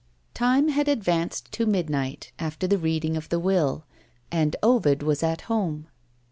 Time had advanced to midnight, after the reading of the Will and Ovid was at home.